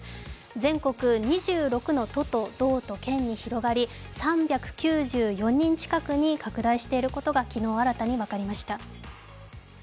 全国２６の都と道と県に広がり３９４人近くに拡大していることが昨日新たに分かりました。